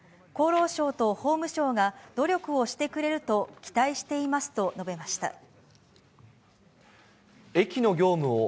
厚労省と法務省が努力をしてくれると期待していますと述べました。